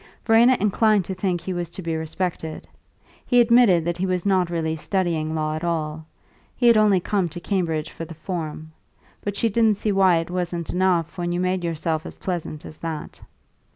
Verena inclined to think he was to be respected. He admitted that he was not really studying law at all; he had only come to Cambridge for the form; but she didn't see why it wasn't enough when you made yourself as pleasant as that.